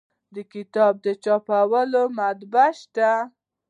د کتاب چاپولو مطبعې شته